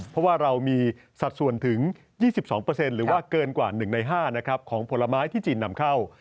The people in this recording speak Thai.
เพราะว่าเรามีสัดส่วนถึง๒๒หรือว่าเกินกว่า๑ใน๕ของผลไม้ที่จีนนำเข้า